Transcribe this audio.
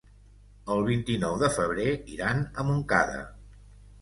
El vint-i-nou de febrer iran a Montcada.